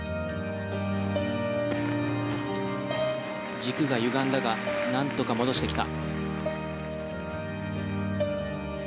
軸がゆがんだがなんとか戻してきた。